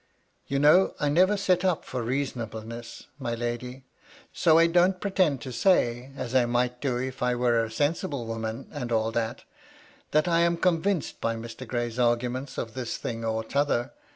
" You know, 1 never set up for reasonableness, my lady. So 1 don't pretend to say, as 1 might do if I were a sensible woman and all tliat, — that I am con vinced by Mr. Gray's arguments of this thing or t'other.